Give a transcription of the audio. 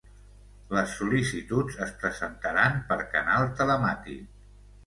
Les sol·licituds es presentaran per canal telemàtic.